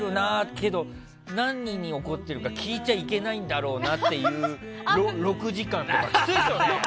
けど何に怒ってるか聞いちゃいけないんだろうなっていう６時間とかきついですよね